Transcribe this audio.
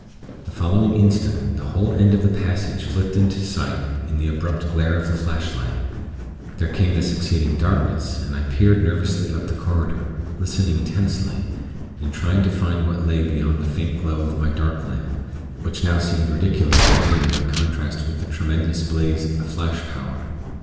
The following instant, the whole end of the passage flicked into sight in the abrupt glare of the flashlight. There came the succeeding darkness, and I peered nervously up the corridor, listening tensely, and trying to find what lay beyond the faint glow of my dark lamp, which now seemed ridiculously dim by contrast with the tremendous blaze of the flash power....